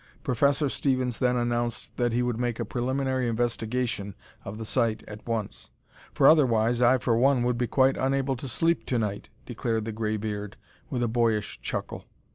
Professor Stevens then announced that he would make a preliminary investigation of the site at once. "For, otherwise, I for one would be quite unable to sleep tonight!" declared the graybeard, with a boyish chuckle.